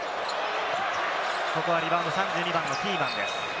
ここはリバウンド、３２番のティーマンです。